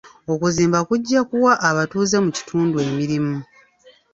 Okuzimba kujja kuwa abatuuze mu kitundu emirimu.